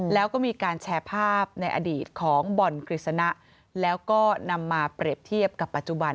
แล้วก็มีการแชร์ภาพในอดีตของบ่อนกฤษณะแล้วก็นำมาเปรียบเทียบกับปัจจุบัน